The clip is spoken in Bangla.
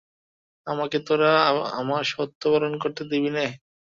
আমাকে তোরা আমার সত্য পালন করতে দিবি নে?